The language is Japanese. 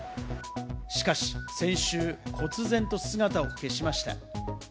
しかし先週、こつぜんと姿を消しました。